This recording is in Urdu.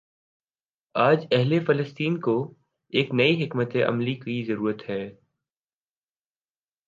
آج اہل فلسطین کو ایک نئی حکمت عملی کی ضرورت ہے۔